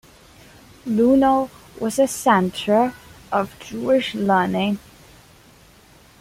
Lunel was a centre of Jewish learning.